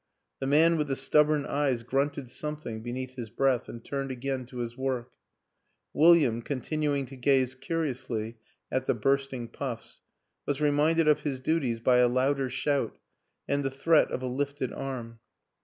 The man with the stubborn eyes grunted some thing beneath his breath and turned again to his work; William, continuing to gaze curiously at the bursting puffs, was reminded of his duties by a louder shout and the threat of a lifted arm.